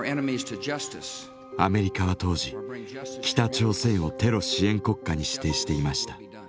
アメリカは当時北朝鮮をテロ支援国家に指定していました。